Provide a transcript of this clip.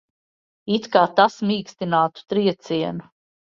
It kā tas mīkstinātu triecienu.